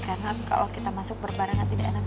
karena kalau kita masuk berbarengan tidak enak dilihat